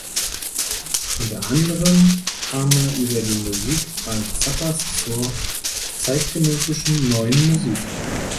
Unter anderem kam er über die Musik Frank Zappas zur zeitgenössischen „Neuen Musik“.